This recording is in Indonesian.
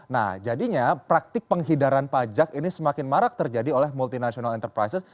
nah jadinya praktik penghidaran pajak ini semakin marak terjadi oleh multinational enterprises